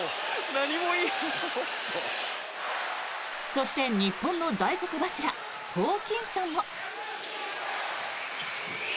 そして、日本の大黒柱ホーキンソンも。